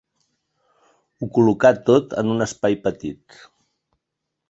Ho col·locà tot en un espai petit.